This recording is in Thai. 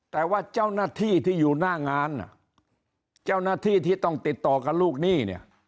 แต่ว่าเจ้าหน้าที่ที่อยู่หน้างานเจ้าหน้าที่ที่ต้องติดต่อกับลูกหนี้เนี่ย